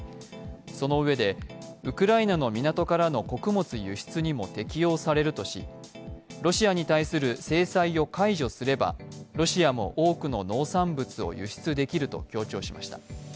そのうえで、ウクライナの港からの穀物輸出にも適用されるとしロシアに対する制裁を解除すればロシアも多くの農産物を輸出できると強調しました。